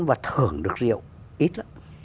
và thưởng được rượu ít